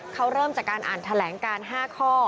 เขาเริ่มจากการอ่านแถลงการ๕ข้อ